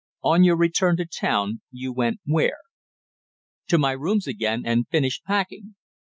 "On your return to town you went where?" "To my rooms again and finished packing."